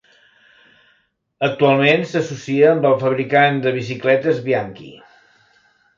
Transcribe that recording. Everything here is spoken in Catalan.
Actualment s'associa amb el fabricant de bicicletes Bianchi.